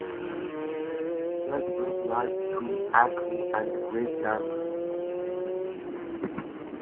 Fleggburgh lies between Acle and Great Yarmouth.